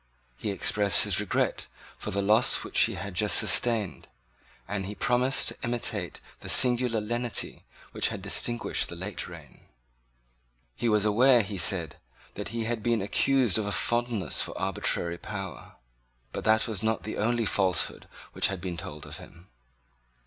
He expressed his regret for the loss which he had just sustained, and he promised to imitate the singular lenity which had distinguished the late reign. He was aware, he said, that he had been accused of a fondness for arbitrary power. But that was not the only falsehood which had been told of him.